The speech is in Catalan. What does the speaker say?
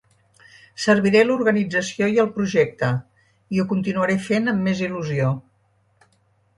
Serviré l’organització i el projecte, i ho continuaré fent amb més il·lusió.